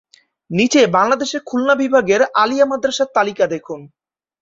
নিচে বাংলাদেশের খুলনা বিভাগের আলিয়া মাদ্রাসার তালিকা দেখুন।